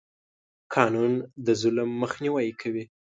قانون د ظلم مخنیوی کوي.